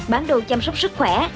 bản đồ chăm sóc sức khỏe